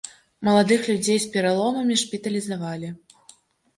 Маладых людзей з пераломамі шпіталізавалі.